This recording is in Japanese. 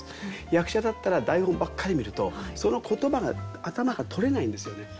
役者だったら台本ばっかり見るとその言葉が頭から取れないんですよね。